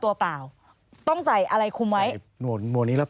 สวัสดีค่ะที่จอมฝันครับ